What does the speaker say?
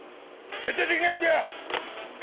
徹底的にやってや！